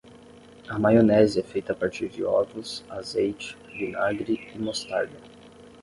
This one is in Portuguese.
A maionese é feita a partir de ovos, azeite, vinagre e mostarda.